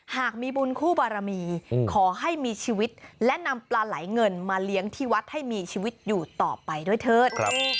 หากมีบุญคู่บารมีขอให้มีชีวิตและนำปลาไหลเงินมาเลี้ยงที่วัดให้มีชีวิตอยู่ต่อไปด้วยเถิด